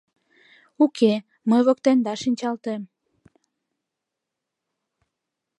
— Уке, мый воктенда шинчалтем.